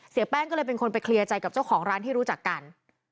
แป้งก็เลยเป็นคนไปเคลียร์ใจกับเจ้าของร้านที่รู้จักกัน